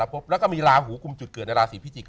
แล้วก็มีราหูคุมจุดเกิดในราศีพิจิต